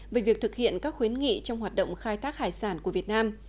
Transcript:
về việc thực hiện các khuyến nghị trong hoạt động khai thác hải sản của việt nam